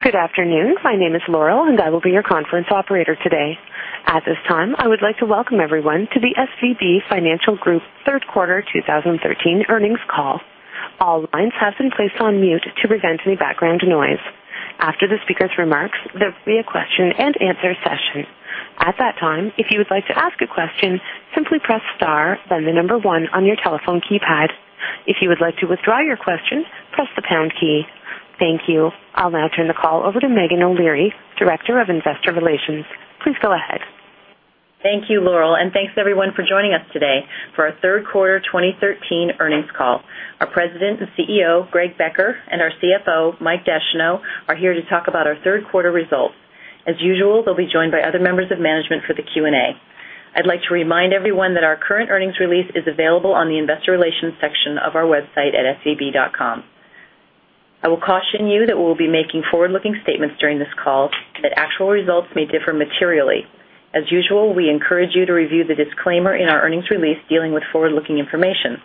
Good afternoon. My name is Laurel, and I will be your conference operator today. At this time, I would like to welcome everyone to the SVB Financial Group third quarter 2013 earnings call. All lines have been placed on mute to prevent any background noise. After the speaker's remarks, there will be a question and answer session. At that time, if you would like to ask a question, simply press star, then the number one on your telephone keypad. If you would like to withdraw your question, press the pound key. Thank you. I'll now turn the call over to Meghan O'Leary, Director of Investor Relations. Please go ahead. Thank you, Laurel. Thanks everyone for joining us today for our third quarter 2013 earnings call. Our President and CEO, Greg Becker, and our CFO, Mike Descheneaux, are here to talk about our third quarter results. As usual, they'll be joined by other members of management for the Q&A. I'd like to remind everyone that our current earnings release is available on the investor relations section of our website at svb.com. I will caution you that we'll be making forward-looking statements during this call that actual results may differ materially. As usual, we encourage you to review the disclaimer in our earnings release dealing with forward-looking information.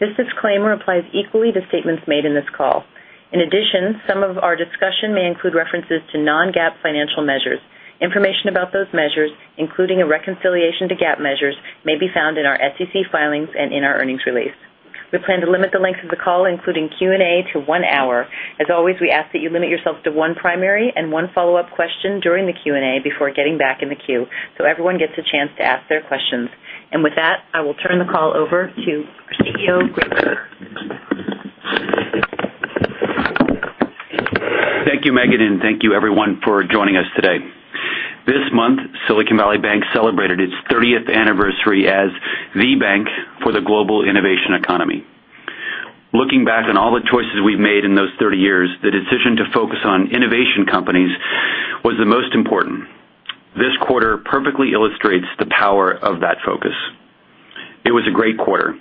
This disclaimer applies equally to statements made in this call. In addition, some of our discussion may include references to non-GAAP financial measures. Information about those measures, including a reconciliation to GAAP measures, may be found in our SEC filings and in our earnings release. We plan to limit the length of the call, including Q&A, to one hour. As always, we ask that you limit yourself to one primary and one follow-up question during the Q&A before getting back in the queue so everyone gets a chance to ask their questions. With that, I will turn the call over to our CEO, Greg Becker. Thank you, Meghan. Thank you everyone for joining us today. This month, Silicon Valley Bank celebrated its 30th anniversary as the bank for the global innovation economy. Looking back on all the choices we've made in those 30 years, the decision to focus on innovation companies was the most important. This quarter perfectly illustrates the power of that focus. It was a great quarter.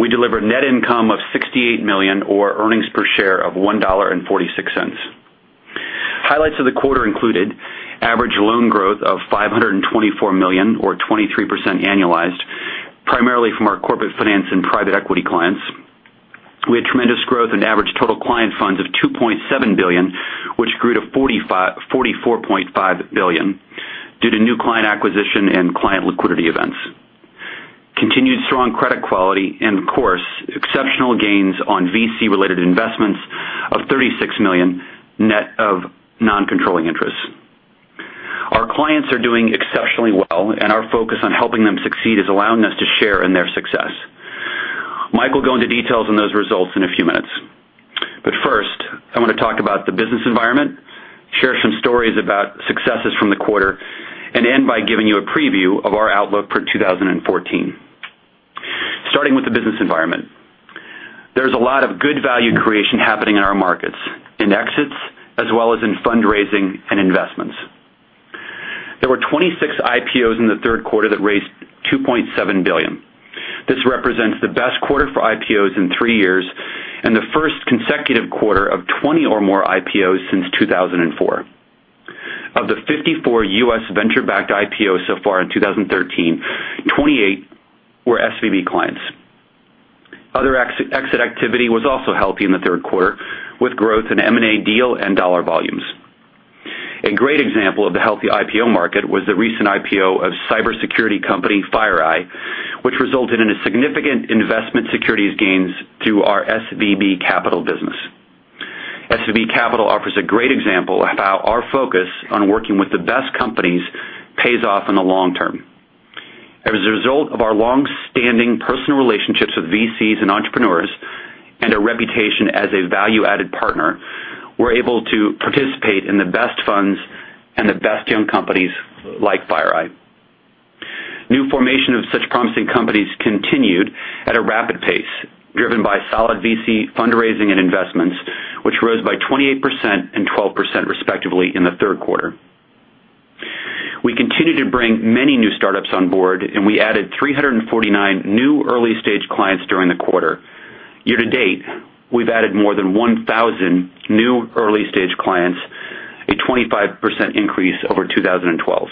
We delivered net income of $68 million, or earnings per share of $1.46. Highlights of the quarter included average loan growth of $524 million or 23% annualized, primarily from our corporate finance and private equity clients. We had tremendous growth in average total client funds of $2.7 billion, which grew to $44.5 billion due to new client acquisition and client liquidity events. Continued strong credit quality and, of course, exceptional gains on VC-related investments of $36 million net of non-controlling interests. Our clients are doing exceptionally well, and our focus on helping them succeed is allowing us to share in their success. Mike will go into details on those results in a few minutes. First, I want to talk about the business environment, share some stories about successes from the quarter, and end by giving you a preview of our outlook for 2014. Starting with the business environment. There's a lot of good value creation happening in our markets, in exits, as well as in fundraising and investments. There were 26 IPOs in the third quarter that raised $2.7 billion. This represents the best quarter for IPOs in three years and the first consecutive quarter of 20 or more IPOs since 2004. Of the 54 U.S. venture-backed IPOs so far in 2013, 28 were SVB clients. Other exit activity was also healthy in the third quarter, with growth in M&A deal and dollar volumes. A great example of the healthy IPO market was the recent IPO of cybersecurity company FireEye, which resulted in a significant investment securities gains to our SVB Capital business. SVB Capital offers a great example of how our focus on working with the best companies pays off in the long term. As a result of our long-standing personal relationships with VCs and entrepreneurs and a reputation as a value-added partner, we're able to participate in the best funds and the best young companies like FireEye. New formation of such promising companies continued at a rapid pace, driven by solid VC fundraising and investments, which rose by 28% and 12%, respectively, in the third quarter. We continue to bring many new startups on board, and we added 349 new early-stage clients during the quarter. Year to date, we've added more than 1,000 new early-stage clients, a 25% increase over 2012.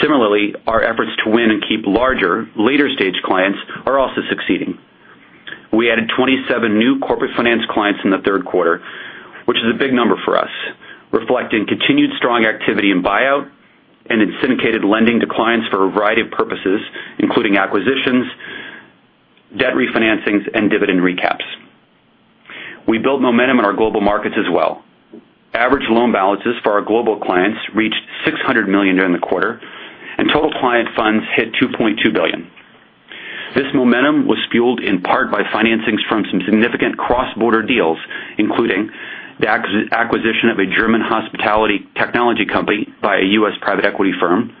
Similarly, our efforts to win and keep larger, later-stage clients are also succeeding. We added 27 new corporate finance clients in the third quarter, which is a big number for us, reflecting continued strong activity in buyout and in syndicated lending to clients for a variety of purposes, including acquisitions, debt refinancings, and dividend recaps. We built momentum in our global markets as well. Average loan balances for our global clients reached $600 million during the quarter, and total client funds hit $2.2 billion. This momentum was fueled in part by financings from some significant cross-border deals, including the acquisition of a German hospitality technology company by a U.S. private equity firm,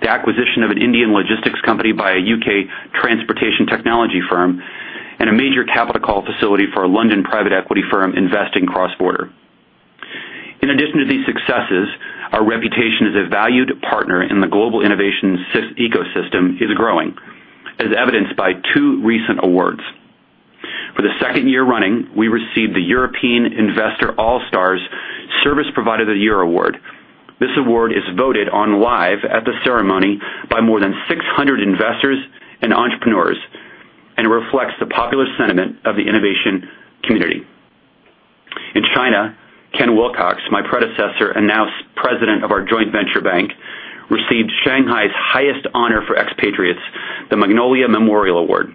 the acquisition of an Indian logistics company by a U.K. transportation technology firm, and a major capital call facility for a London private equity firm investing cross-border. In addition to these successes, our reputation as a valued partner in the global innovation ecosystem is growing, as evidenced by two recent awards. For the second year running, we received the European Investor All-Stars Service Provider of the Year award. This award is voted on live at the ceremony by more than 600 investors and entrepreneurs. In China, Ken Wilcox, my predecessor, and now president of our joint venture bank, received Shanghai's highest honor for expatriates, the Magnolia Silver Award.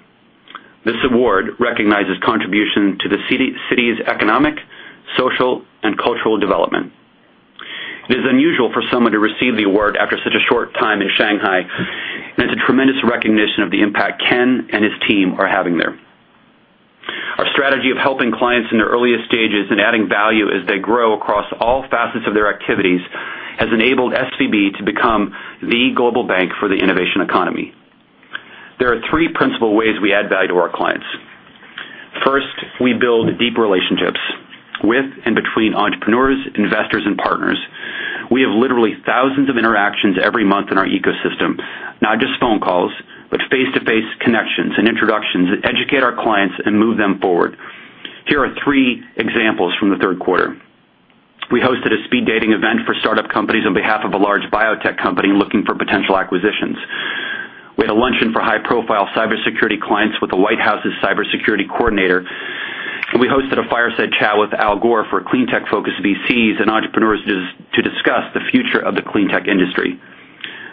This award recognizes contribution to the city's economic, social, and cultural development. It is unusual for someone to receive the award after such a short time in Shanghai, and it's a tremendous recognition of the impact Ken and his team are having there. Our strategy of helping clients in their earliest stages and adding value as they grow across all facets of their activities has enabled SVB to become the global bank for the innovation economy. There are three principal ways we add value to our clients. First, we build deep relationships with and between entrepreneurs, investors, and partners. We have literally thousands of interactions every month in our ecosystem. Not just phone calls, but face-to-face connections and introductions that educate our clients and move them forward. Here are three examples from the third quarter. We hosted a speed dating event for startup companies on behalf of a large biotech company looking for potential acquisitions. We had a luncheon for high-profile cybersecurity clients with the White House's cybersecurity coordinator, and we hosted a fireside chat with Al Gore for clean tech-focused VCs and entrepreneurs to discuss the future of the clean tech industry.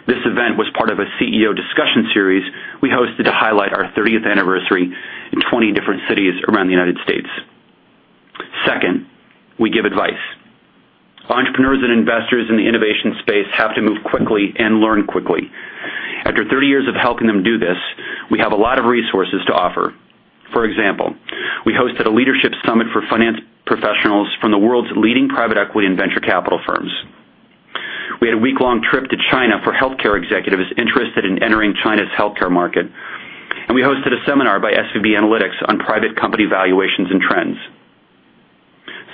This event was part of a CEO discussion series we hosted to highlight our 30th anniversary in 20 different cities around the United States. Second, we give advice. Entrepreneurs and investors in the innovation space have to move quickly and learn quickly. After 30 years of helping them do this, we have a lot of resources to offer. For example, we hosted a leadership summit for finance professionals from the world's leading private equity and venture capital firms. We had a week-long trip to China for healthcare executives interested in entering China's healthcare market, and we hosted a seminar by SVB Analytics on private company valuations and trends.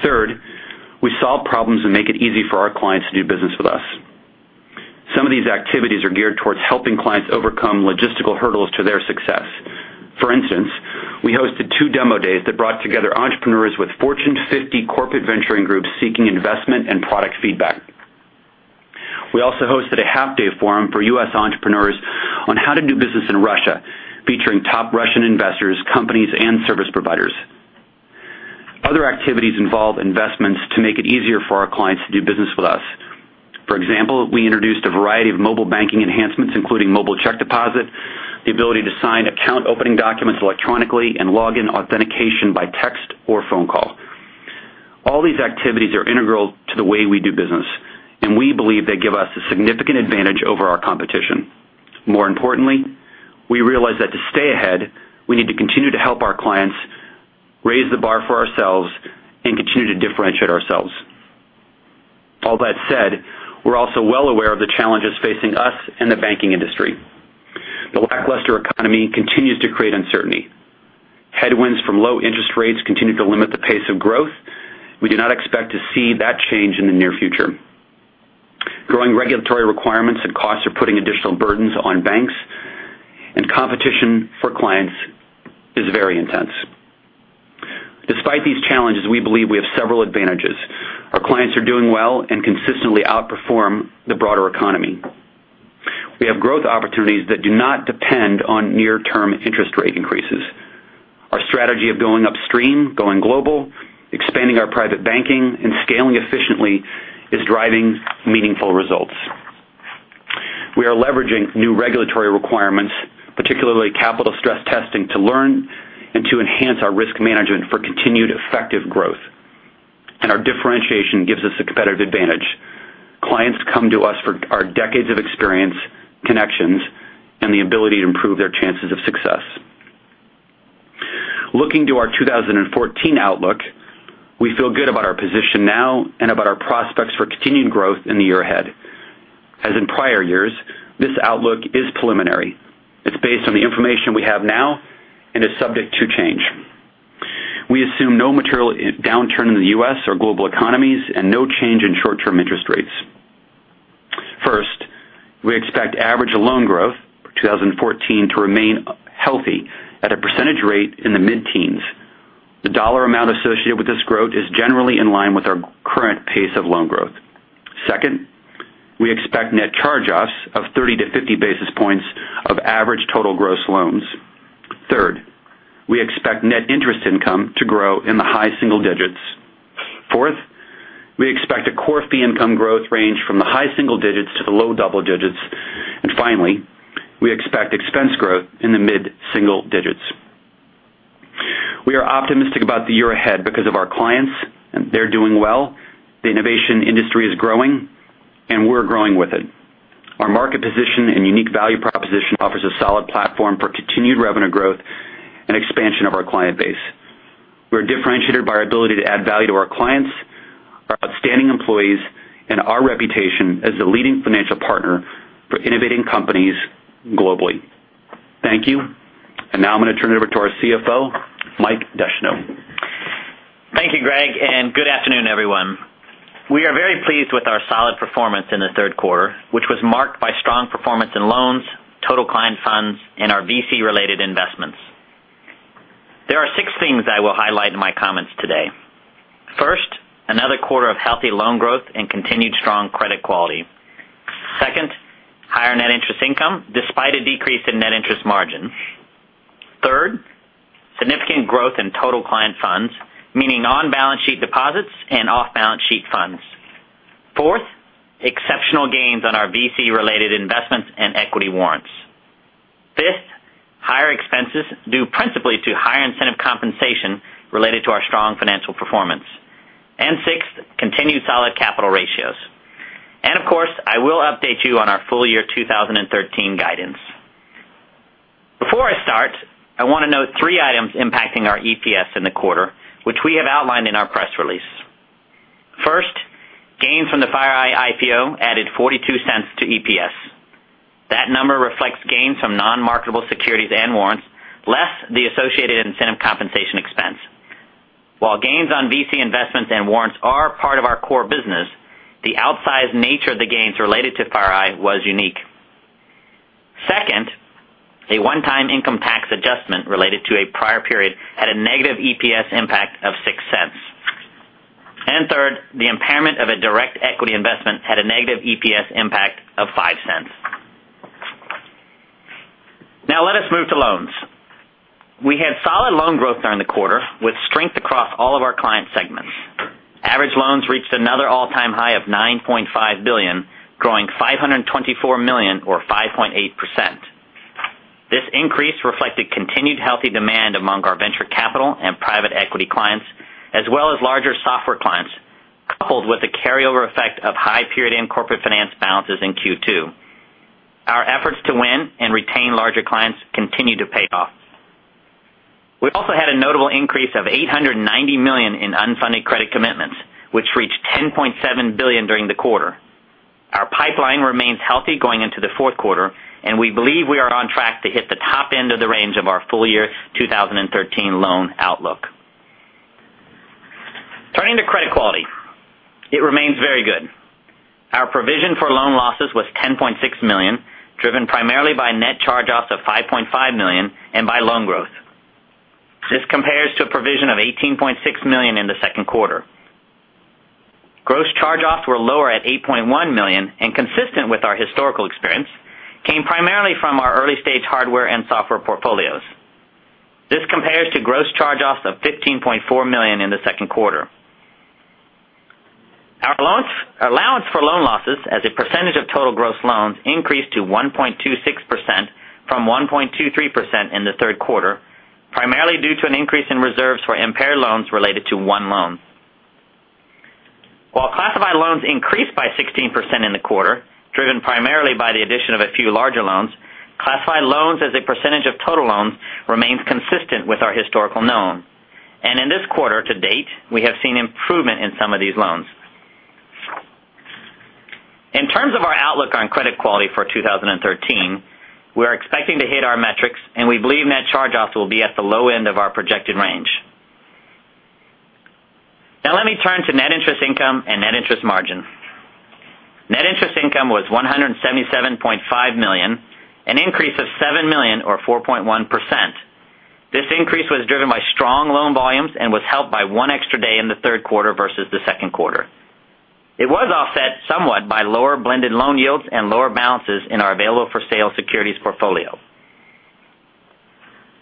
Third, we solve problems and make it easy for our clients to do business with us. Some of these activities are geared towards helping clients overcome logistical hurdles to their success. For instance, we hosted two demo days that brought together entrepreneurs with Fortune 50 corporate venturing groups seeking investment and product feedback. We also hosted a half-day forum for U.S. entrepreneurs on how to do business in Russia, featuring top Russian investors, companies, and service providers. Other activities involve investments to make it easier for our clients to do business with us. For example, we introduced a variety of mobile banking enhancements, including mobile check deposit, the ability to sign account opening documents electronically, and login authentication by text or phone call. All these activities are integral to the way we do business. We believe they give us a significant advantage over our competition. More importantly, we realize that to stay ahead, we need to continue to help our clients, raise the bar for ourselves, and continue to differentiate ourselves. All that said, we're also well aware of the challenges facing us and the banking industry. The lackluster economy continues to create uncertainty. Headwinds from low interest rates continue to limit the pace of growth. We do not expect to see that change in the near future. Growing regulatory requirements and costs are putting additional burdens on banks. Competition for clients is very intense. Despite these challenges, we believe we have several advantages. Our clients are doing well and consistently outperform the broader economy. We have growth opportunities that do not depend on near-term interest rate increases. Our strategy of going upstream, going global, expanding our private banking, and scaling efficiently is driving meaningful results. We are leveraging new regulatory requirements, particularly capital stress testing, to learn and to enhance our risk management for continued effective growth. Our differentiation gives us a competitive advantage. Clients come to us for our decades of experience, connections, and the ability to improve their chances of success. Looking to our 2014 outlook, we feel good about our position now and about our prospects for continued growth in the year ahead. As in prior years, this outlook is preliminary. It is based on the information we have now and is subject to change. We assume no material downturn in the U.S. or global economies and no change in short-term interest rates. First, we expect average loan growth for 2014 to remain healthy at a percentage rate in the mid-teens. The dollar amount associated with this growth is generally in line with our current pace of loan growth. Second, we expect net charge-offs of 30 to 50 basis points of average total gross loans. Third, we expect net interest income to grow in the high single digits. Fourth, we expect a core fee income growth range from the high single digits to the low double digits. Finally, we expect expense growth in the mid-single digits. We are optimistic about the year ahead because of our clients, they're doing well. The innovation industry is growing, and we're growing with it. Our market position and unique value proposition offers a solid platform for continued revenue growth and expansion of our client base. We're differentiated by our ability to add value to our clients, our outstanding employees, and our reputation as the leading financial partner for innovating companies globally. Thank you. Now I'm going to turn it over to our CFO, Mike Descheneaux. Thank you, Greg, and good afternoon, everyone. We are very pleased with our solid performance in the third quarter, which was marked by strong performance in loans, total client funds, and our VC-related investments. There are six things I will highlight in my comments today. Healthy loan growth and continued strong credit quality. Second, higher net interest income despite a decrease in net interest margin. Third, significant growth in total client funds, meaning on-balance sheet deposits and off-balance sheet funds. Fourth, exceptional gains on our VC-related investments and equity warrants. Fifth, higher expenses due principally to higher incentive compensation related to our strong financial performance. Sixth, continued solid capital ratios. Of course, I will update you on our full year 2013 guidance. Before I start, I want to note three items impacting our EPS in the quarter, which we have outlined in our press release. First, gains from the FireEye IPO added $0.42 to EPS. That number reflects gains from non-marketable securities and warrants, less the associated incentive compensation expense. While gains on VC investments and warrants are part of our core business, the outsized nature of the gains related to FireEye was unique. Second, a one-time income tax adjustment related to a prior period at a negative EPS impact of $0.06. Third, the impairment of a direct equity investment had a negative EPS impact of $0.05. Now let us move to loans. We had solid loan growth during the quarter, with strength across all of our client segments. Average loans reached another all-time high of $9.5 billion, growing $524 million or 5.8%. This increase reflected continued healthy demand among our venture capital and private equity clients, as well as larger software clients, coupled with a carryover effect of high period and corporate finance balances in Q2. Our efforts to win and retain larger clients continue to pay off. We also had a notable increase of $890 million in unfunded credit commitments, which reached $10.7 billion during the quarter. Our pipeline remains healthy going into the fourth quarter, and we believe we are on track to hit the top end of the range of our full year 2013 loan outlook. Turning to credit quality. It remains very good. Our provision for loan losses was $10.6 million, driven primarily by net charge-offs of $5.5 million and by loan growth. This compares to a provision of $18.6 million in the second quarter. Gross charge-offs were lower at $8.1 million, and consistent with our historical experience, came primarily from our early-stage hardware and software portfolios. This compares to gross charge-offs of $15.4 million in the second quarter. Our allowance for loan losses as a percentage of total gross loans increased to 1.26% from 1.23% in the third quarter, primarily due to an increase in reserves for impaired loans related to one loan. While classified loans increased by 16% in the quarter, driven primarily by the addition of a few larger loans, classified loans as a percentage of total loans remains consistent with our historical norm. In this quarter to date, we have seen improvement in some of these loans. In terms of our outlook on credit quality for 2013, we are expecting to hit our metrics, and we believe net charge-offs will be at the low end of our projected range. Now let me turn to net interest income and net interest margin. Net interest income was $177.5 million, an increase of $7 million or 4.1%. This increase was driven by strong loan volumes and was helped by one extra day in the third quarter versus the second quarter. It was offset somewhat by lower blended loan yields and lower balances in our available for sale securities portfolio.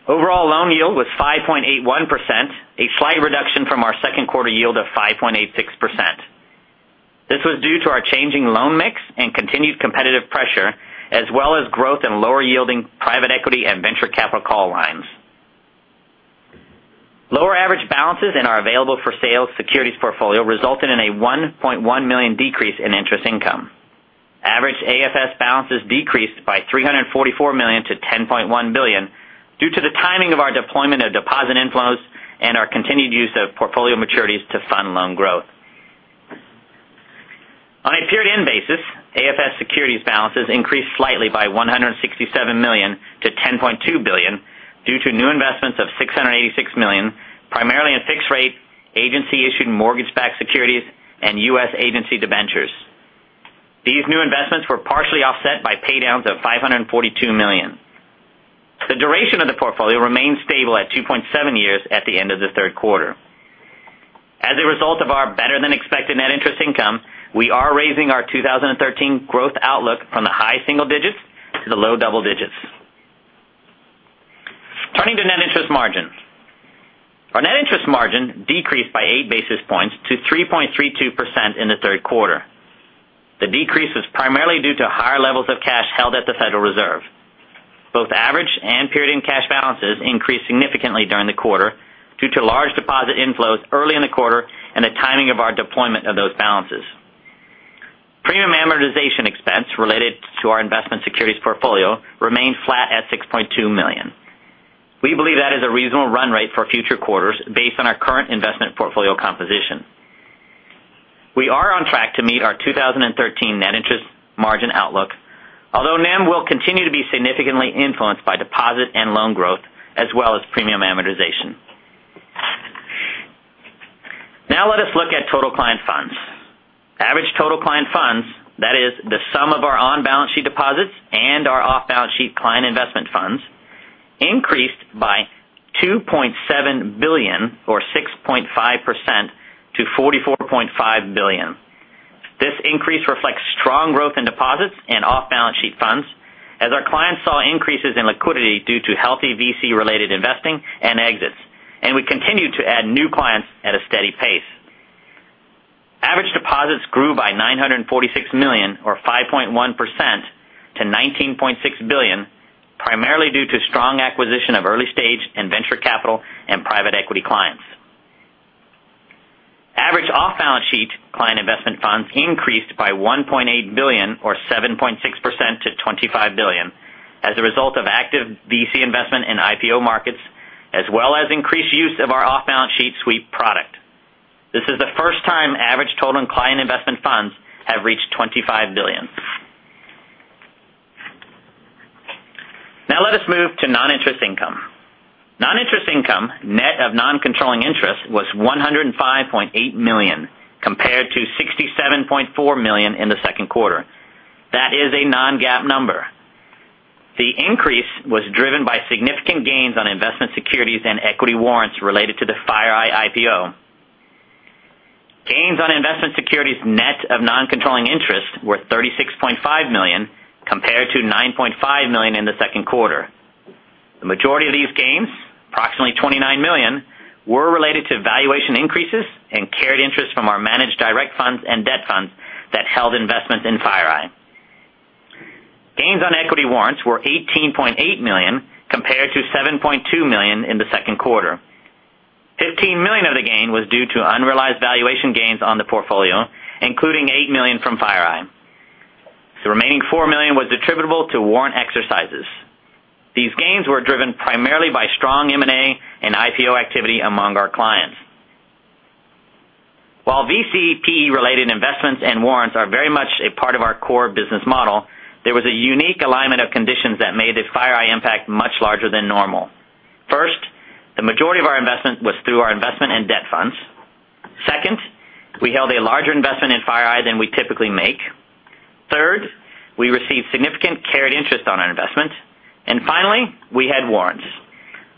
Overall loan yield was 5.81%, a slight reduction from our second quarter yield of 5.86%. This was due to our changing loan mix and continued competitive pressure, as well as growth in lower yielding private equity and venture capital call lines. Lower average balances in our available for sale securities portfolio resulted in a $1.1 million decrease in interest income. Average AFS balances decreased by $344 million to $10.1 billion due to the timing of our deployment of deposit inflows and our continued use of portfolio maturities to fund loan growth. On a period-end basis, AFS securities balances increased slightly by $167 million to $10.2 billion due to new investments of $686 million, primarily in fixed rate, agency-issued mortgage-backed securities, and U.S. agency debentures. These new investments were partially offset by paydowns of $542 million. The duration of the portfolio remained stable at 2.7 years at the end of the third quarter. As a result of our better-than-expected net interest income, we are raising our 2013 growth outlook from the high single digits to the low double digits. Turning to net interest margins. Our net interest margin decreased by 8 basis points to 3.32% in the third quarter. The decrease was primarily due to higher levels of cash held at the Federal Reserve. Both average and period end cash balances increased significantly during the quarter due to large deposit inflows early in the quarter and the timing of our deployment of those balances. Premium amortization expense related to our investment securities portfolio remained flat at $6.2 million. We believe that is a reasonable run rate for future quarters based on our current investment portfolio composition. We are on track to meet our 2013 net interest margin outlook, although NIM will continue to be significantly influenced by deposit and loan growth, as well as premium amortization. Now let us look at total client funds. Average total client funds, that is the sum of our on-balance sheet deposits and our off-balance sheet client investment funds, increased by $2.7 billion or 6.5% to $44.5 billion. This increase reflects strong growth in deposits and off-balance sheet funds as our clients saw increases in liquidity due to healthy VC related investing and exits, and we continued to add new clients at a steady pace. Average deposits grew by $946 million or 5.1% to $19.6 billion, primarily due to strong acquisition of early stage and venture capital and private equity clients. Average off-balance sheet client investment funds increased by $1.8 billion or 7.6% to $25 billion as a result of active VC investment in IPO markets, as well as increased use of our off-balance sheet sweep product. This is the first time average total client investment funds have reached $25 billion. Now let us move to non-interest income. Non-interest income, net of non-controlling interest, was $105.8 million compared to $67.4 million in the second quarter. That is a non-GAAP number. The increase was driven by significant gains on investment securities and equity warrants related to the FireEye IPO. Gains on investment securities net of non-controlling interest were $36.5 million compared to $9.5 million in the second quarter. The majority of these gains, approximately $29 million, were related to valuation increases and carried interest from our managed direct funds and debt funds that held investments in FireEye. Gains on equity warrants were $18.8 million compared to $7.2 million in the second quarter. $15 million of the gain was due to unrealized valuation gains on the portfolio, including $8 million from FireEye. The remaining $4 million was attributable to warrant exercises. These gains were driven primarily by strong M&A and IPO activity among our clients. While VC/PE related investments and warrants are very much a part of our core business model, there was a unique alignment of conditions that made the FireEye impact much larger than normal. First, the majority of our investment was through our investment in debt funds. Second, we held a larger investment in FireEye than we typically make. Third, we received significant carried interest on our investment. Finally, we had warrants.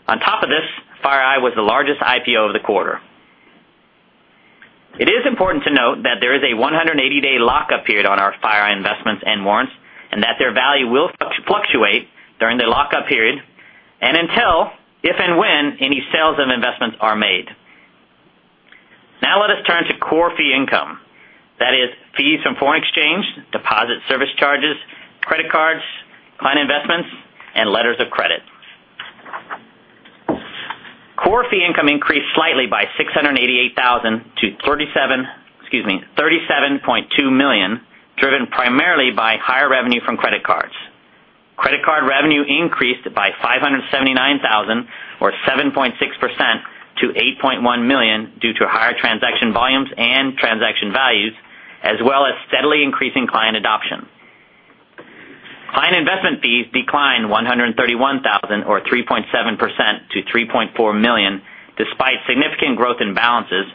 On top of this, FireEye was the largest IPO of the quarter. It is important to note that there is a 180-day lock-up period on our FireEye investments and warrants, and that their value will fluctuate during the lock-up period and until if and when any sales of investments are made. Now let us turn to core fee income. That is fees from foreign exchange, deposit service charges, credit cards, client investments and letters of credit. Core fee income increased slightly by $688,000 to $37.2 million, driven primarily by higher revenue from credit cards. Credit card revenue increased by $579,000 or 7.6% to $8.1 million due to higher transaction volumes and transaction values, as well as steadily increasing client adoption. Client investment fees declined $131,000 or 3.7% to $3.4 million despite significant growth in balances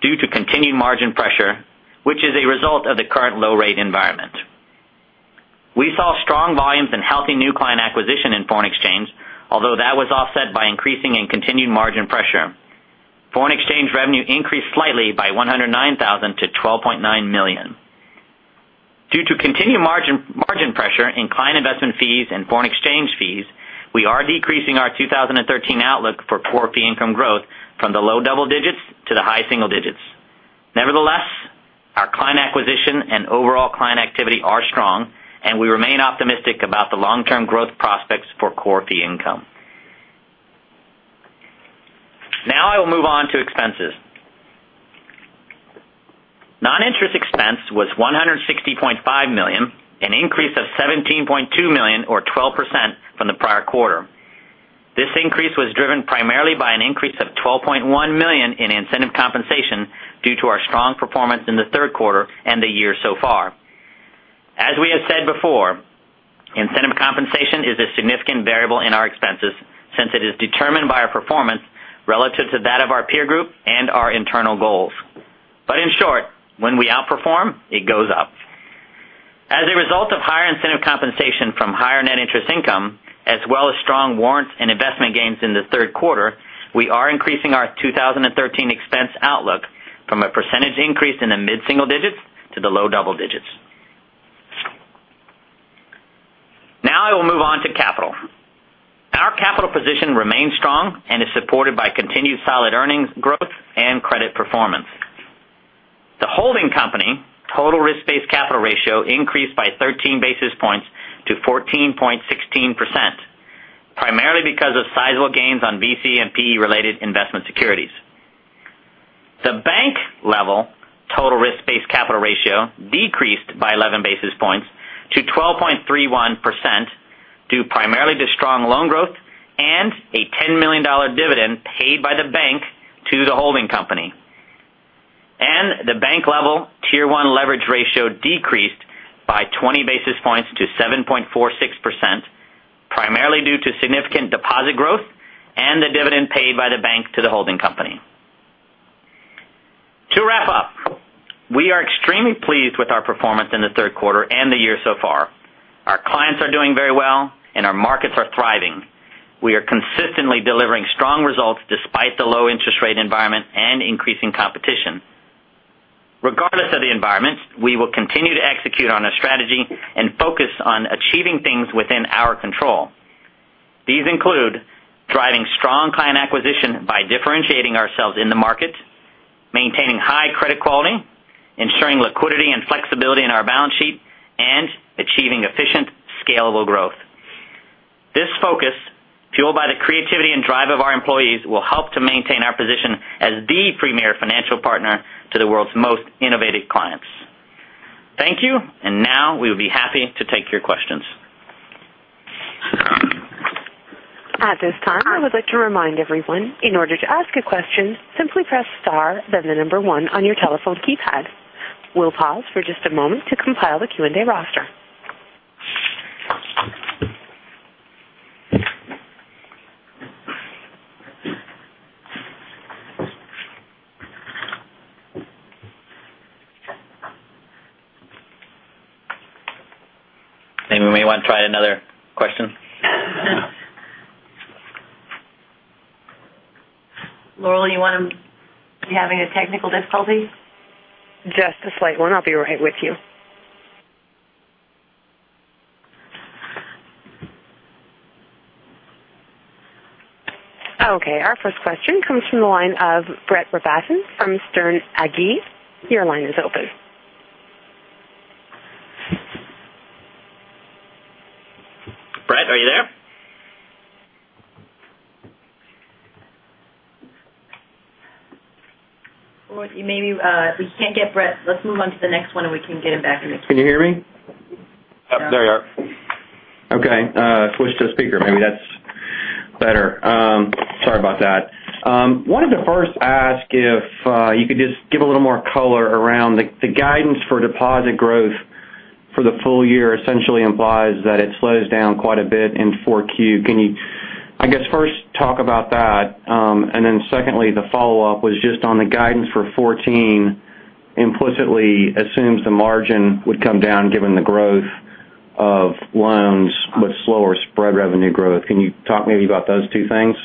due to continued margin pressure which is a result of the current low rate environment. We saw strong volumes and healthy new client acquisition in foreign exchange, although that was offset by increasing and continued margin pressure. Foreign exchange revenue increased slightly by $109,000 to $12.9 million. Due to continued margin pressure in client investment fees and foreign exchange fees, we are decreasing our 2013 outlook for core fee income growth from the low double digits to the high single digits. Nevertheless, our client acquisition and overall client activity are strong, and we remain optimistic about the long-term growth prospects for core fee income. Now I will move on to expenses. Non-interest expense was $160.5 million, an increase of $17.2 million or 12% from the prior quarter. This increase was driven primarily by an increase of $12.1 million in incentive compensation due to our strong performance in the third quarter and the year so far. As we have said before, incentive compensation is a significant variable in our expenses since it is determined by our performance relative to that of our peer group and our internal goals. In short, when we outperform, it goes up. As a result of higher incentive compensation from higher net interest income, as well as strong warrants and investment gains in the third quarter, we are increasing our 2013 expense outlook from a percentage increase in the mid-single digits to the low double digits. Now I will move on to capital. Our capital position remains strong and is supported by continued solid earnings growth and credit performance. The holding company total risk-based capital ratio increased by 13 basis points to 14.16%, primarily because of sizable gains on VC and PE related investment securities. The bank level total risk-based capital ratio decreased by 11 basis points to 12.31%, due primarily to strong loan growth and a $10 million dividend paid by the bank to the holding company. The bank level Tier 1 leverage ratio decreased by 20 basis points to 7.46%, primarily due to significant deposit growth and the dividend paid by the bank to the holding company. Extremely pleased with our performance in the third quarter and the year so far. Our clients are doing very well, and our markets are thriving. We are consistently delivering strong results despite the low interest rate environment and increasing competition. Regardless of the environment, we will continue to execute on our strategy and focus on achieving things within our control. These include driving strong client acquisition by differentiating ourselves in the market, maintaining high credit quality, ensuring liquidity and flexibility in our balance sheet, and achieving efficient, scalable growth. This focus, fueled by the creativity and drive of our employees, will help to maintain our position as the premier financial partner to the world's most innovative clients. Thank you. Now we will be happy to take your questions. At this time, I would like to remind everyone, in order to ask a question, simply press star, then the number 1 on your telephone keypad. We'll pause for just a moment to compile the Q&A roster. Anyone may want to try another question? Laurel, you having a technical difficulty? Just a slight one. I'll be right with you. Okay. Our first question comes from the line of Brett Rabatin from Sterne Agee. Your line is open. Brett, are you there? Maybe we can't get Brett. Let's move on to the next one, and we can get him back in the queue. Can you hear me? There you are. Okay. Switched to speaker. Maybe that's better. Sorry about that. Wanted to first ask if you could just give a little more color around the guidance for deposit growth for the full year essentially implies that it slows down quite a bit in 4Q. Can you, I guess, first talk about that? Secondly, the follow-up was just on the guidance for 2014 implicitly assumes the margin would come down given the growth of loans with slower spread revenue growth. Can you talk maybe about those two things?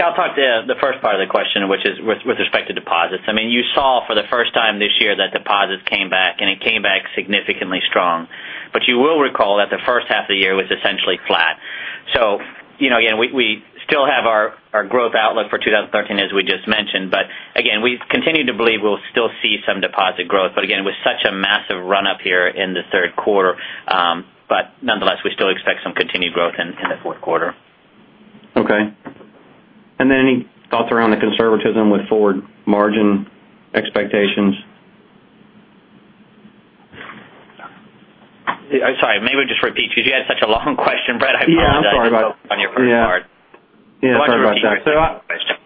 Yeah, I'll talk to the first part of the question, which is with respect to deposits. You saw for the first time this year that deposits came back, and it came back significantly strong. You will recall that the first half of the year was essentially flat. Again, we still have our growth outlook for 2013, as we just mentioned. Again, we continue to believe we'll still see some deposit growth. Again, it was such a massive run-up here in the third quarter. Nonetheless, we still expect some continued growth in the fourth quarter. Okay. Then any thoughts around the conservatism with forward margin expectations? I'm sorry. Maybe just repeat, because you had such a long question, Brett. I apologize. I forgot on your first part. Yeah. Sorry about that. Why don't you repeat your question?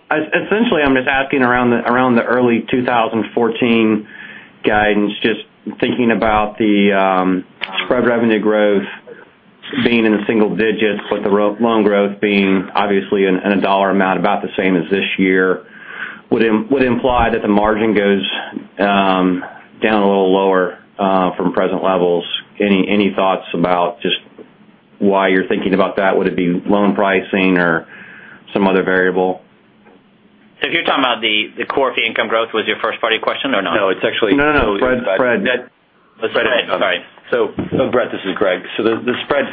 Essentially, I'm just asking around the early 2014 guidance, just thinking about the spread revenue growth being in the single digits with the loan growth being obviously in a dollar amount about the same as this year would imply that the margin goes down a little lower from present levels. Any thoughts about just why you're thinking about that? Would it be loan pricing or some other variable? If you're talking about the core fee income growth was your first part of your question, or no? No, it's actually. No, no. Brett. Sorry. Brett, this is Greg. The spread,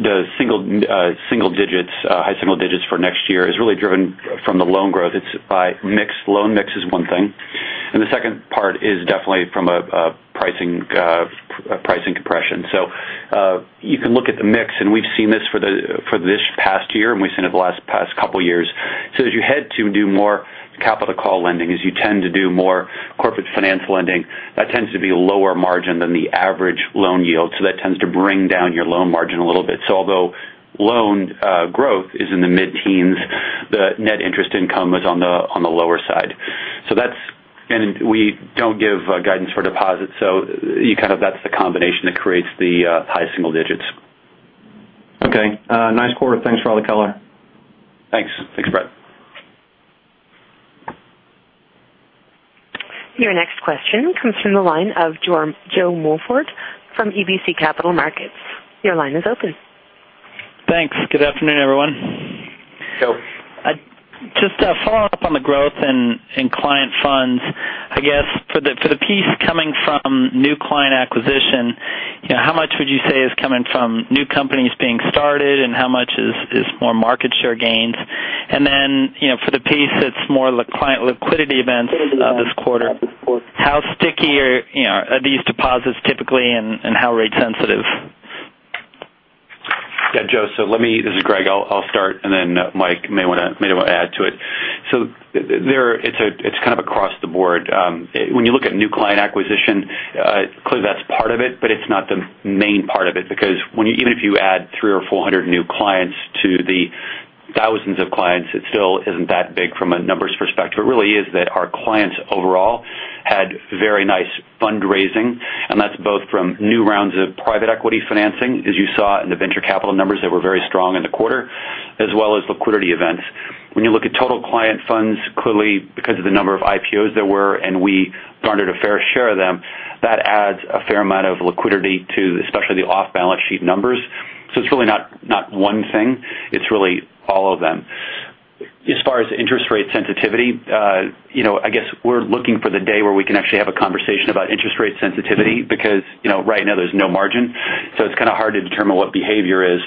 the high single digits for next year is really driven from the loan growth. It's by loan mix is one thing, and the second part is definitely from a pricing compression. You can look at the mix, and we've seen this for this past year, and we've seen it the last past couple of years. As you head to do more capital call lending, as you tend to do more corporate finance lending, that tends to be a lower margin than the average loan yield. That tends to bring down your loan margin a little bit. Although loan growth is in the mid-teens, the net interest income was on the lower side. We don't give guidance for deposits, that's the combination that creates the high single digits. Okay. Nice quarter. Thanks for all the color. Thanks. Thanks, Brett. Your next question comes from the line of Joe Morford from RBC Capital Markets. Your line is open. Thanks. Good afternoon, everyone. Joe. Just following up on the growth in client funds. I guess for the piece coming from new client acquisition, how much would you say is coming from new companies being started and how much is more market share gains? For the piece that's more client liquidity events this quarter, how sticky are these deposits typically and how rate sensitive? Yeah, Joe. This is Greg. I'll start, and then Mike may want to add to it. It's kind of across the board. When you look at new client acquisition, clearly that's part of it, but it's not the main part of it, because even if you add 300 or 400 new clients to the thousands of clients, it still isn't that big from a numbers perspective. It really is that our clients overall had very nice fundraising, and that's both from new rounds of private equity financing, as you saw in the venture capital numbers that were very strong in the quarter, as well as liquidity events. When you look at total client funds, clearly because of the number of IPOs there were, and we garnered a fair share of them, that adds a fair amount of liquidity to especially the off-balance sheet numbers. It's really not one thing. It's really all of them. As far as interest rate sensitivity, I guess we're looking for the day where we can actually have a conversation about interest rate sensitivity because right now there's no margin. It's kind of hard to determine what behavior is.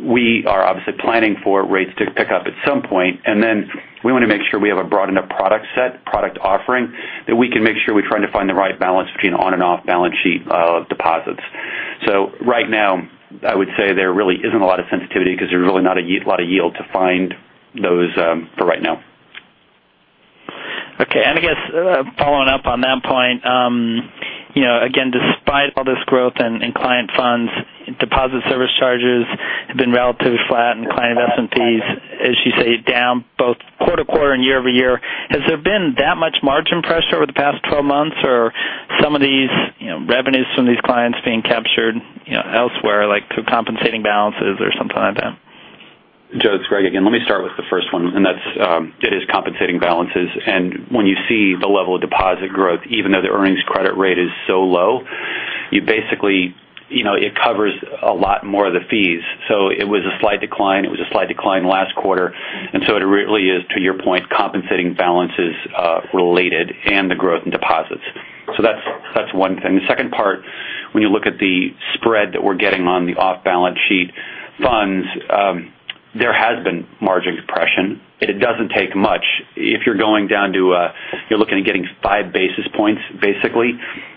We are obviously planning for rates to pick up at some point, and then we want to make sure we have a broad enough product set, product offering that we can make sure we're trying to find the right balance between on and off-balance sheet deposits. Right now, I would say there really isn't a lot of sensitivity because there's really not a lot of yield to find those for right now. I guess following up on that point, again, despite all this growth in client funds, deposit service charges have been relatively flat and client S&Ps, as you say, down both quarter-over-quarter and year-over-year. Has there been that much margin pressure over the past 12 months or some of these revenues from these clients being captured elsewhere, like through compensating balances or something like that? Joe, it's Greg again. Let me start with the first one, that's it is compensating balances. When you see the level of deposit growth, even though the earnings credit rate is so low, basically it covers a lot more of the fees. It was a slight decline. It was a slight decline last quarter. It really is, to your point, compensating balances related and the growth in deposits. That's one thing. The second part, when you look at the spread that we're getting on the off-balance sheet funds, there has been margin compression. It doesn't take much. If you're looking at getting five basis points, basically,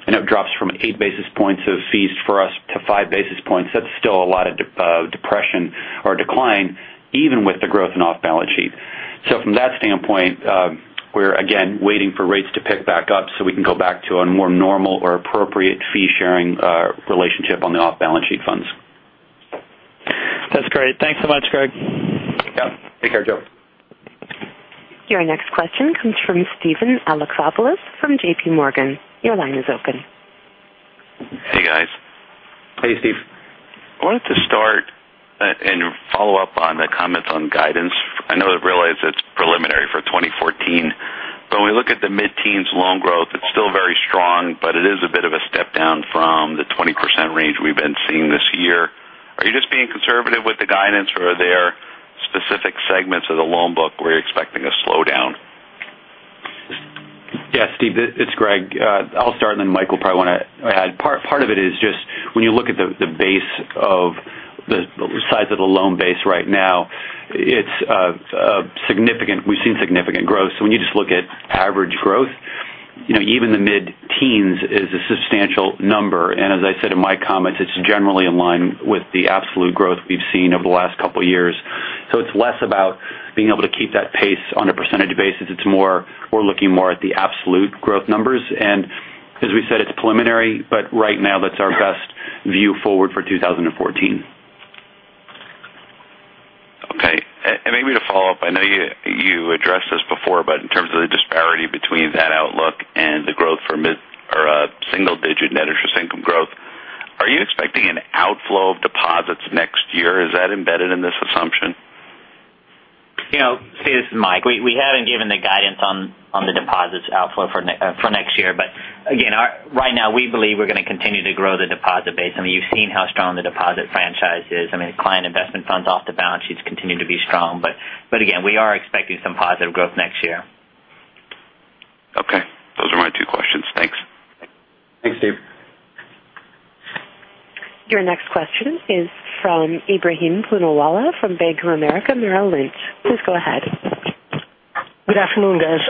and it drops from eight basis points of fees for us to five basis points. That's still a lot of depression or decline, even with the growth in off-balance sheet. From that standpoint, we're again waiting for rates to pick back up so we can go back to a more normal or appropriate fee-sharing relationship on the off-balance sheet funds. That's great. Thanks so much, Greg. Yeah. Take care, Joe. Your next question comes from Steven Alexopoulos from JPMorgan. Your line is open. Hey, guys. Hey, Steve. I wanted to start and follow up on the comments on guidance. I know, I realize it's preliminary for 2014, but when we look at the mid-teens loan growth, it's still very strong, but it is a bit of a step down from the 20% range we've been seeing this year. Are you just being conservative with the guidance or are there specific segments of the loan book where you're expecting a slowdown? Yes, Steve, it's Greg. I'll start and then Mike will probably want to add. Part of it is just when you look at the size of the loan base right now, we've seen significant growth. When you just look at average growth, even the mid-teens is a substantial number. As I said in my comments, it's generally in line with the absolute growth we've seen over the last couple of years. It's less about being able to keep that pace on a percentage basis. We're looking more at the absolute growth numbers. As we said, it's preliminary, but right now that's our best view forward for 2014. Okay. Maybe to follow up, I know you addressed this before, but in terms of the disparity between that outlook and the growth for mid or single-digit net interest income growth, are you expecting an outflow of deposits next year? Is that embedded in this assumption? Steve, this is Mike. We haven't given the guidance on the deposits outflow for next year. Again, right now we believe we're going to continue to grow the deposit base. I mean, you've seen how strong the deposit franchise is. I mean, client investment funds off the balance sheets continue to be strong. Again, we are expecting some positive growth next year. Okay. Those are my two questions. Thanks. Thanks, Steve. Your next question is from Ebrahim Poonawala from Bank of America Merrill Lynch. Please go ahead. Good afternoon, guys.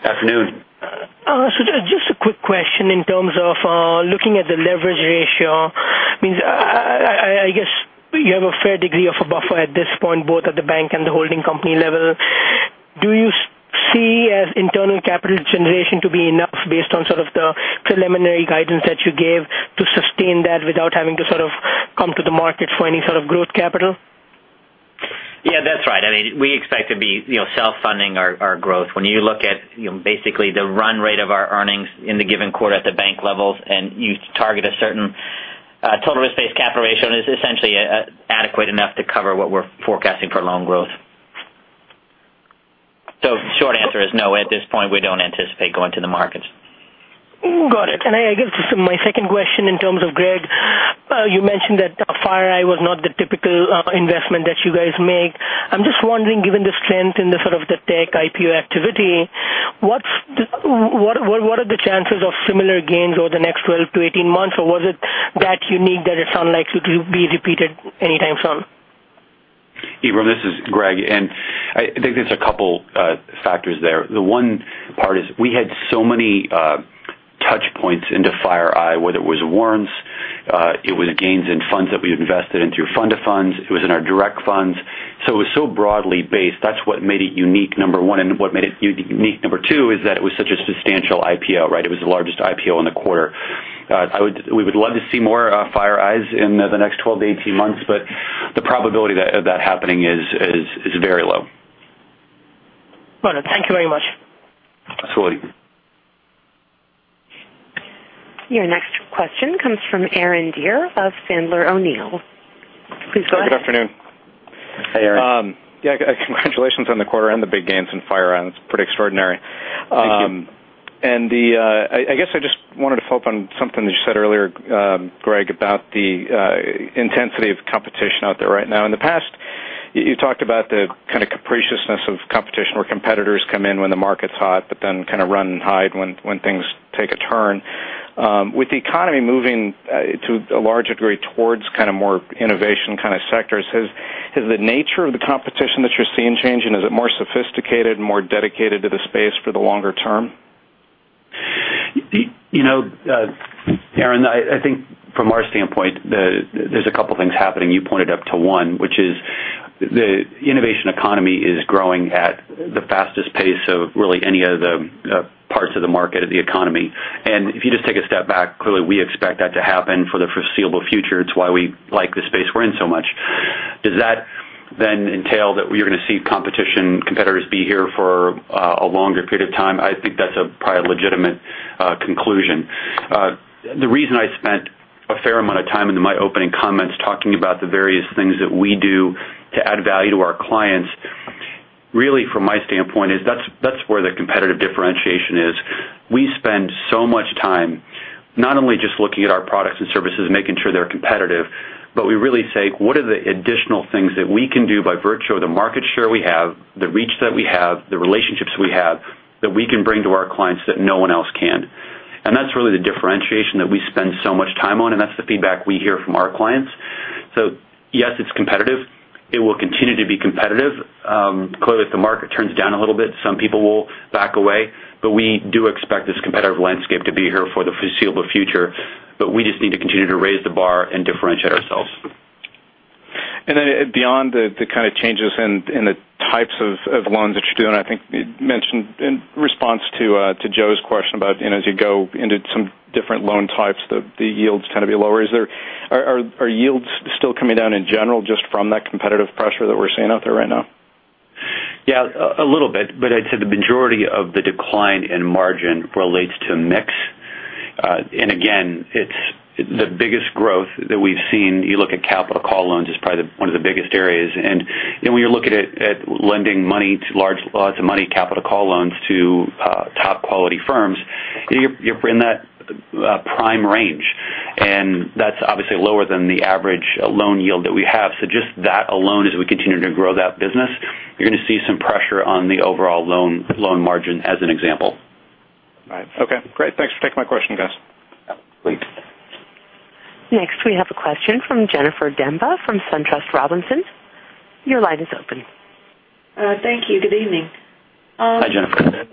Afternoon. Just a quick question in terms of looking at the leverage ratio. I guess you have a fair degree of a buffer at this point, both at the bank and the holding company level. Do you see as internal capital generation to be enough based on sort of the preliminary guidance that you gave to sustain that without having to sort of come to the market for any sort of growth capital? Yeah, that's right. I mean, we expect to be self-funding our growth. When you look at basically the run rate of our earnings in the given quarter at the bank levels, and you target a certain total risk-based capital ratio, and it's essentially adequate enough to cover what we're forecasting for loan growth. Short answer is no. At this point, we don't anticipate going to the markets. Got it. I guess my second question in terms of Greg, you mentioned that FireEye was not the typical investment that you guys make. I'm just wondering, given the strength in the sort of the tech IPO activity, what are the chances of similar gains over the next 12-18 months? Or was it that unique that it's unlikely to be repeated anytime soon? Ebrahim, this is Greg, I think there's a couple factors there. The one part is we had so many touch points into FireEye, whether it was warrants, it was gains in funds that we invested into fund to funds. It was in our direct funds. It was so broadly based. That's what made it unique, number one. What made it unique number two is that it was such a substantial IPO, right? It was the largest IPO in the quarter. We would love to see more FireEyes in the next 12-18 months, but the probability of that happening is very low. Got it. Thank you very much. Your next question comes from Aaron Deer of Sandler O'Neill. Please go ahead. Good afternoon. Hi, Aaron. Yeah. Congratulations on the quarter and the big gains in FireEye. That's pretty extraordinary. Thank you. I guess I just wanted to follow up on something that you said earlier, Greg Becker, about the intensity of competition out there right now. In the past, you talked about the kind of capriciousness of competition, where competitors come in when the market's hot, but then kind of run and hide when things take a turn. With the economy moving to a large degree towards more innovation kind of sectors, has the nature of the competition that you're seeing changing? Is it more sophisticated and more dedicated to the space for the longer term? Aaron Deer, I think from our standpoint, there's a couple of things happening. You pointed up to one, which is the innovation economy is growing at the fastest pace of really any of the parts of the market or the economy. If you just take a step back, clearly, we expect that to happen for the foreseeable future. It's why we like the space we're in so much. Does that then entail that we're going to see competition, competitors be here for a longer period of time? I think that's probably a legitimate conclusion. The reason I spent a fair amount of time in my opening comments talking about the various things that we do to add value to our clients, really from my standpoint, is that's where the competitive differentiation is. We spend so much time not only just looking at our products and services and making sure they're competitive, but we really say, "What are the additional things that we can do by virtue of the market share we have, the reach that we have, the relationships we have, that we can bring to our clients that no one else can?" That's really the differentiation that we spend so much time on, and that's the feedback we hear from our clients. Yes, it's competitive. It will continue to be competitive. Clearly, if the market turns down a little bit, some people will back away. We do expect this competitive landscape to be here for the foreseeable future. We just need to continue to raise the bar and differentiate ourselves. Beyond the kind of changes in the types of loans that you're doing, I think you mentioned in response to Joe's question about as you go into some different loan types, the yields tend to be lower. Are yields still coming down in general just from that competitive pressure that we're seeing out there right now? A little bit, but I'd say the majority of the decline in margin relates to mix. Again, it's the biggest growth that we've seen. You look at capital call loans as probably one of the biggest areas. When you're looking at lending large lots of money, capital call loans to top quality firms, you're in that prime range. That's obviously lower than the average loan yield that we have. Just that alone, as we continue to grow that business, you're going to see some pressure on the overall loan margin as an example. Right. Okay, great. Thanks for taking my question, guys. Yeah. Great. Next, we have a question from Jennifer Demba from SunTrust Robinson. Your line is open. Thank you. Good evening. Hi, Jennifer.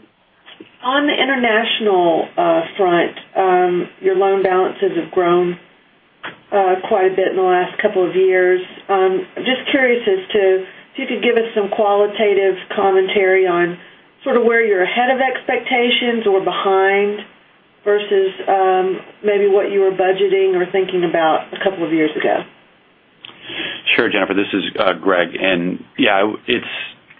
On the international front, your loan balances have grown quite a bit in the last couple of years. Just curious as to if you could give us some qualitative commentary on sort of where you're ahead of expectations or behind versus maybe what you were budgeting or thinking about a couple of years ago. Sure, Jennifer. This is Greg. Yeah,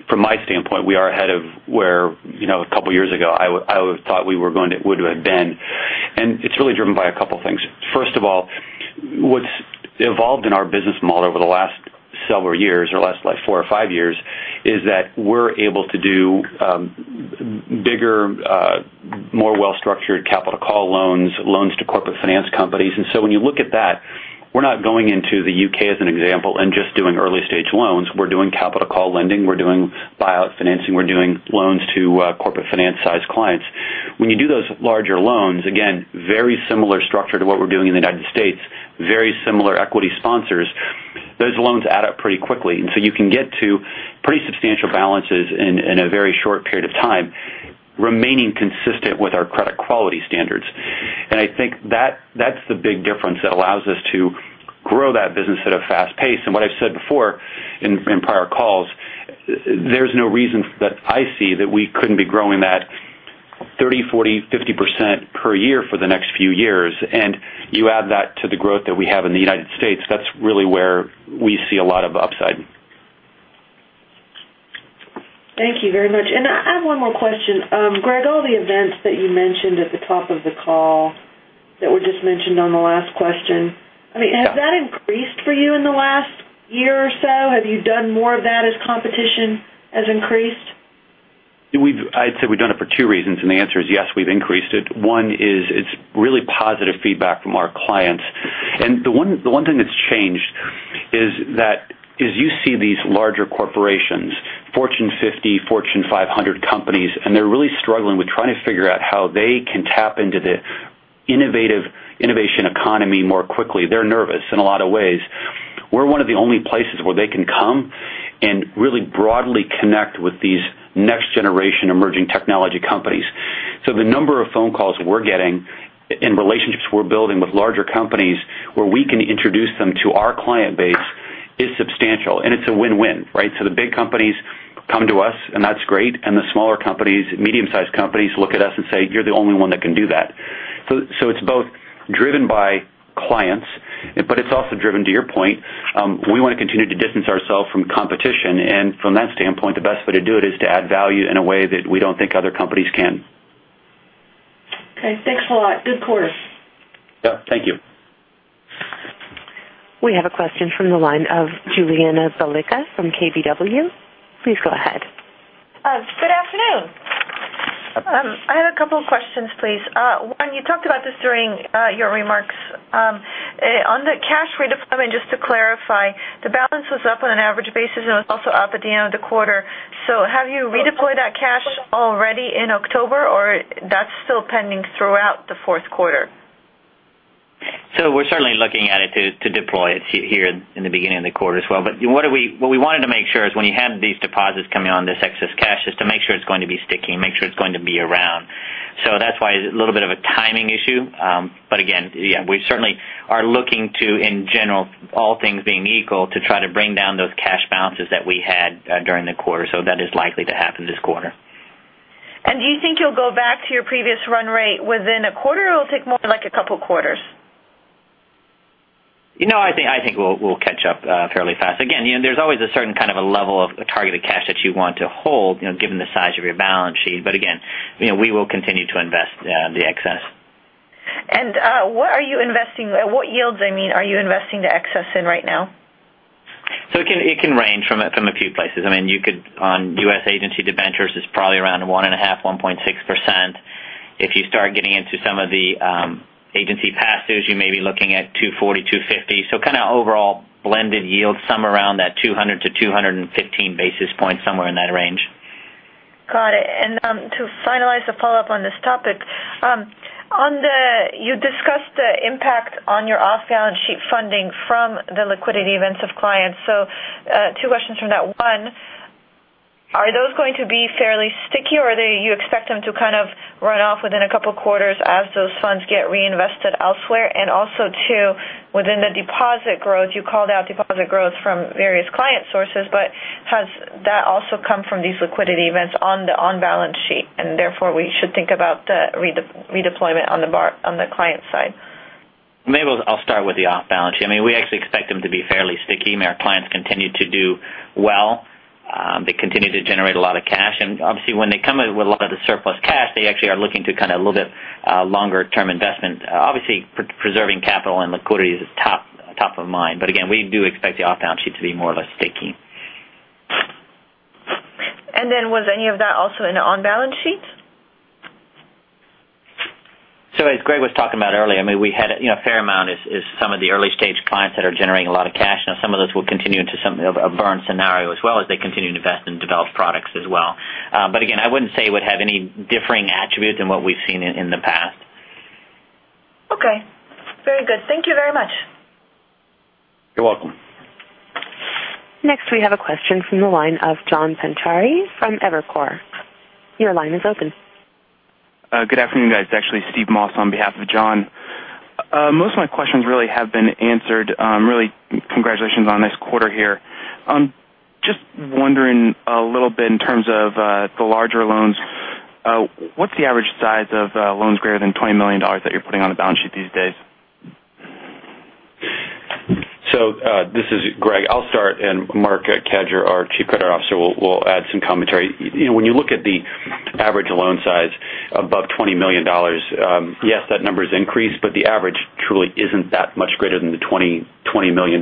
from my standpoint, we are ahead of where a couple of years ago, I would've thought we would have been. It's really driven by a couple of things. First of all, what's evolved in our business model over the last several years or last four or five years, is that we're able to do bigger, more well-structured capital call loans to corporate finance companies. When you look at that, we're not going into the U.K. as an example, and just doing early-stage loans. We're doing capital call lending. We're doing buyout financing. We're doing loans to corporate finance-sized clients. When you do those larger loans, again, very similar structure to what we're doing in the U.S., very similar equity sponsors. Those loans add up pretty quickly, you can get to pretty substantial balances in a very short period of time, remaining consistent with our credit quality standards. I think that's the big difference that allows us to grow that business at a fast pace. What I've said before in prior calls, there's no reason that I see that we couldn't be growing that 30%, 40%, 50% per year for the next few years. You add that to the growth that we have in the U.S. That's really where we see a lot of upside. Thank you very much. I have one more question. Greg, all the events that you mentioned at the top of the call that were just mentioned on the last question, has that increased for you in the last year or so? Have you done more of that as competition has increased? I'd say we've done it for two reasons, and the answer is yes, we've increased it. One is it's really positive feedback from our clients. The one thing that's changed is you see these larger corporations, Fortune 50, Fortune 500 companies, and they're really struggling with trying to figure out how they can tap into the innovation economy more quickly. They're nervous in a lot of ways. We're one of the only places where they can come and really broadly connect with these next-generation emerging technology companies. The number of phone calls we're getting and relationships we're building with larger companies where we can introduce them to our client base is substantial, and it's a win-win, right? The big companies come to us, and that's great, and the smaller companies, medium-sized companies, look at us and say, "You're the only one that can do that." It's both driven by clients. Also driven to your point, we want to continue to distance ourselves from competition. From that standpoint, the best way to do it is to add value in a way that we don't think other companies can. Okay, thanks a lot. Good quarter. Yeah, thank you. We have a question from the line of Julianna Balicka from KBW. Please go ahead. Good afternoon. I have a couple questions, please. One, you talked about this during your remarks. On the cash re-deployment, just to clarify, the balance was up on an average basis and was also up at the end of the quarter. Have you redeployed that cash already in October, or that's still pending throughout the fourth quarter? We're certainly looking at it to deploy it here in the beginning of the quarter as well. What we wanted to make sure is when you have these deposits coming on, this excess cash, is to make sure it's going to be sticky and make sure it's going to be around. That's why it's a little bit of a timing issue. Again, yeah, we certainly are looking to, in general, all things being equal, to try to bring down those cash balances that we had during the quarter. That is likely to happen this quarter. Do you think you'll go back to your previous run rate within a quarter, or it'll take more like a couple quarters? No, I think we'll catch up fairly fast. Again, there's always a certain kind of a level of targeted cash that you want to hold, given the size of your balance sheet. Again, we will continue to invest the excess. Where are you investing, what yields, I mean, are you investing the excess in right now? It can range from a few places. You could, on U.S. Agency Debentures, it's probably around one and a half, 1.6%. If you start getting into some of the agency passes, you may be looking at 240, 250. Kind of overall blended yield, somewhere around that 200-215 basis points, somewhere in that range. Got it. To finalize the follow-up on this topic. You discussed the impact on your off-balance sheet funding from the liquidity events of clients. Two questions from that. One, are those going to be fairly sticky, or do you expect them to kind of run off within a couple of quarters as those funds get reinvested elsewhere? Also, two, within the deposit growth, you called out deposit growth from various client sources, but has that also come from these liquidity events on the on-balance sheet, and therefore we should think about the redeployment on the client side? Maybe I'll start with the off-balance sheet. We actually expect them to be fairly sticky. Our clients continue to do well. They continue to generate a lot of cash. Obviously, when they come in with a lot of the surplus cash, they actually are looking to kind of a little bit longer-term investment. Obviously, preserving capital and liquidity is top of mind. Again, we do expect the off-balance sheet to be more or less sticky. Was any of that also in on-balance sheet? As Greg was talking about earlier, we had a fair amount of some of the early-stage clients that are generating a lot of cash. Now, some of those will continue into a burn scenario as well as they continue to invest in developed products as well. Again, I wouldn't say it would have any differing attributes than what we've seen in the past. Okay. Very good. Thank you very much. You're welcome. We have a question from the line of John Pancari from Evercore. Your line is open. Good afternoon, guys. It's actually Stephen M. Moss on behalf of John. Most of my questions really have been answered. Congratulations on this quarter here. Just wondering a little bit in terms of the larger loans. What's the average size of loans greater than $20 million that you're putting on the balance sheet these days? This is Greg. I'll start, and Marc Cadieux, our Chief Credit Officer, will add some commentary. When you look at the average loan size above $20 million, yes, that number has increased, but the average truly isn't that much greater than the $20 million.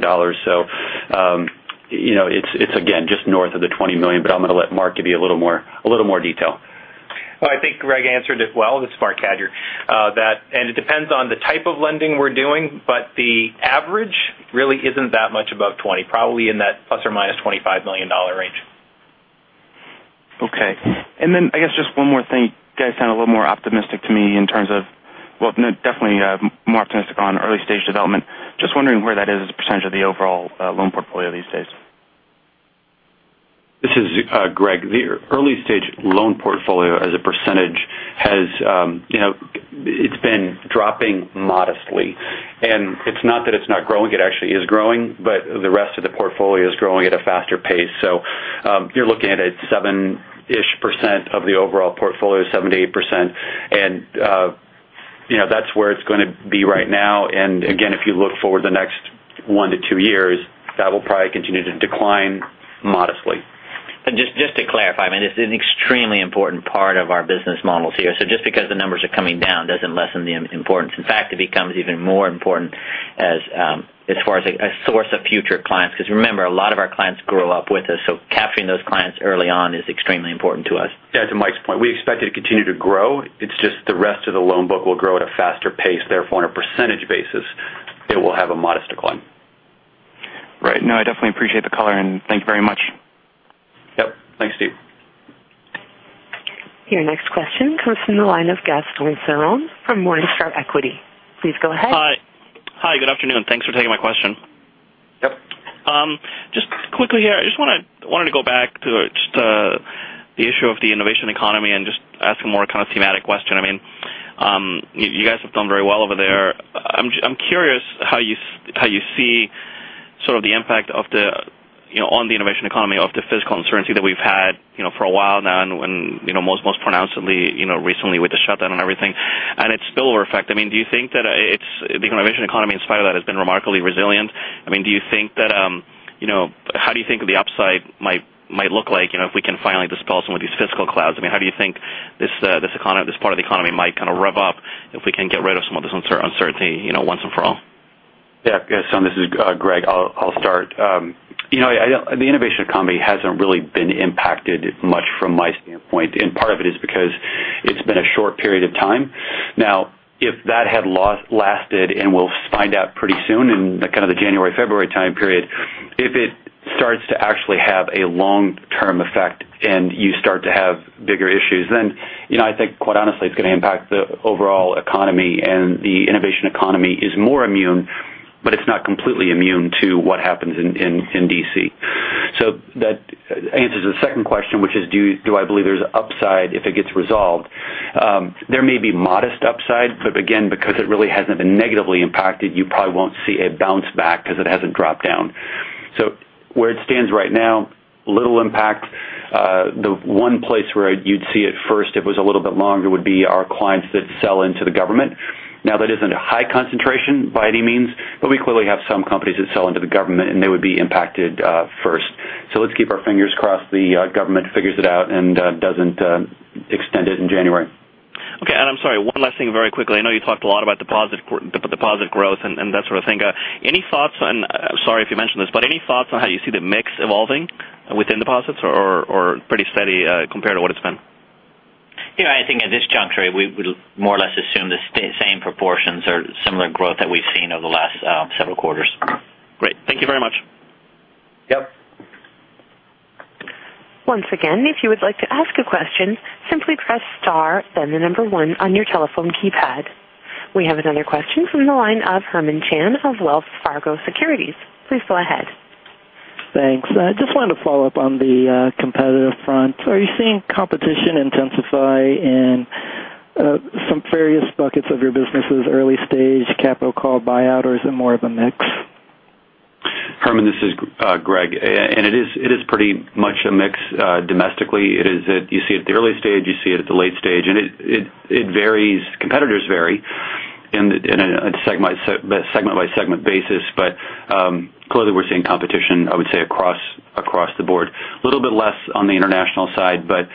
It's again, just north of the $20 million, but I'm going to let Marc give you a little more detail. Well, I think Greg answered it well. This is Marc Cadieux. It depends on the type of lending we're doing, but the average really isn't that much above 20, probably in that ±$25 million range. Okay. Then I guess just one more thing. You guys sound a little more optimistic to me in terms of, well, no, definitely more optimistic on early-stage development. Just wondering where that is as a % of the overall loan portfolio these days. This is Greg. The early stage loan portfolio as a % has been dropping modestly. It's not that it's not growing. It actually is growing, but the rest of the portfolio is growing at a faster pace. You're looking at a seven-ish % of the overall portfolio, 7%-8%. That's where it's going to be right now. Again, if you look forward the next one to two years, that will probably continue to decline modestly. Just to clarify, it's an extremely important part of our business models here. Just because the numbers are coming down doesn't lessen the importance. In fact, it becomes even more important as far as a source of future clients because remember, a lot of our clients grow up with us, capturing those clients early on is extremely important to us. To Mike's point, we expect it to continue to grow. It's just the rest of the loan book will grow at a faster pace. Therefore, on a percentage basis, it will have a modest decline. Right. No, I definitely appreciate the color, thank you very much. Yep. Thanks, Steve. Your next question comes from the line of Gaston Ceron from Morningstar Equity. Please go ahead. Hi. Good afternoon. Thanks for taking my question. Yep. Just quickly here, I just wanted to go back to just the issue of the innovation economy and just ask a more kind of thematic question. You guys have done very well over there. I'm curious how you see Sort of the impact on the innovation economy of the fiscal uncertainty that we've had for a while now, and most pronouncedly recently with the shutdown and everything, and its spillover effect. Do you think that the innovation economy, in spite of that, has been remarkably resilient? How do you think the upside might look like if we can finally dispel some of these fiscal clouds? How do you think this part of the economy might kind of rev up if we can get rid of some of this uncertainty once and for all? Yeah. This is Greg. I'll start. The innovation economy hasn't really been impacted much from my standpoint, and part of it is because it's been a short period of time. Now, if that had lasted, and we'll find out pretty soon in kind of the January-February time period, if it starts to actually have a long-term effect and you start to have bigger issues, then I think, quite honestly, it's going to impact the overall economy. The innovation economy is more immune, but it's not completely immune to what happens in D.C. That answers the second question, which is do I believe there's upside if it gets resolved? There may be modest upside, but again, because it really hasn't been negatively impacted, you probably won't see a bounce back because it hasn't dropped down. Where it stands right now, little impact. The one place where you'd see it first if it was a little bit longer would be our clients that sell into the government. That isn't a high concentration by any means, but we clearly have some companies that sell into the government, and they would be impacted first. Let's keep our fingers crossed the government figures it out and doesn't extend it in January. Okay. I'm sorry, one last thing very quickly. I know you talked a lot about deposit growth and that sort of thing. Sorry if you mentioned this, but any thoughts on how you see the mix evolving within deposits, or pretty steady compared to what it's been? I think at this juncture, we'd more or less assume the same proportions or similar growth that we've seen over the last several quarters. Great. Thank you very much. Yep. Once again, if you would like to ask a question, simply press star, then the number 1 on your telephone keypad. We have another question from the line of Herman Chan of Wells Fargo Securities. Please go ahead. Thanks. I just wanted to follow up on the competitive front. Are you seeing competition intensify in some various buckets of your businesses, early stage, capital call buyout, or is it more of a mix? Herman, this is Greg. It is pretty much a mix domestically. You see it at the early stage, you see it at the late stage, and competitors vary in a segment-by-segment basis. Clearly we're seeing competition, I would say, across the board. A little bit less on the international side, but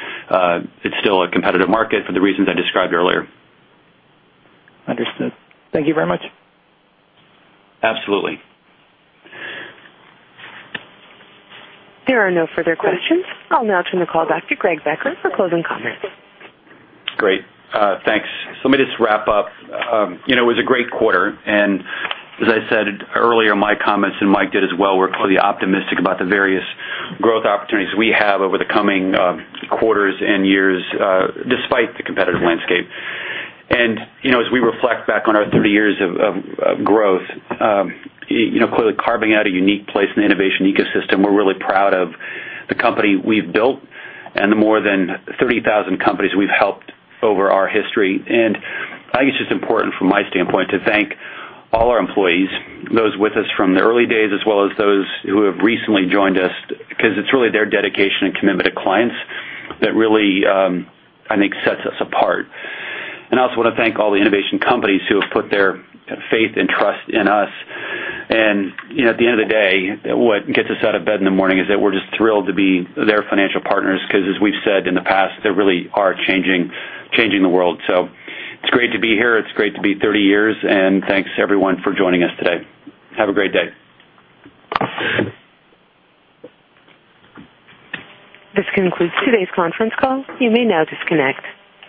it's still a competitive market for the reasons I described earlier. Understood. Thank you very much. Absolutely. There are no further questions. I'll now turn the call back to Greg Becker for closing comments. Great. Thanks. Let me just wrap up. It was a great quarter, and as I said earlier in my comments, and Mike did as well, we're clearly optimistic about the various growth opportunities we have over the coming quarters and years despite the competitive landscape. As we reflect back on our 30 years of growth, clearly carving out a unique place in the innovation ecosystem, we're really proud of the company we've built and the more than 30,000 companies we've helped over our history. I think it's just important from my standpoint to thank all our employees, those with us from the early days, as well as those who have recently joined us, because it's really their dedication and commitment to clients that really, I think, sets us apart. I also want to thank all the innovation companies who have put their faith and trust in us. At the end of the day, what gets us out of bed in the morning is that we're just thrilled to be their financial partners because as we've said in the past, they really are changing the world. It's great to be here. It's great to be 30 years, and thanks everyone for joining us today. Have a great day. This concludes today's conference call. You may now disconnect.